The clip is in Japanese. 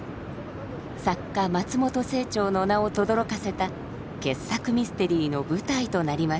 作家松本清張の名をとどろかせた傑作ミステリーの舞台となりました。